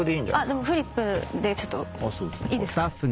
でもフリップでちょっといいですか。